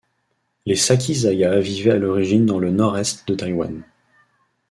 Les Sakizaya vivaient à l’origine dans le nord-est de Taïwan.